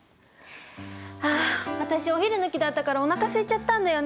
あ私お昼抜きだったからおなかすいちゃったんだよね。